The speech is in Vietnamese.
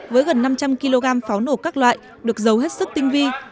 với gần năm trăm linh kg pháo nổ các loại được giấu hết sức tinh vi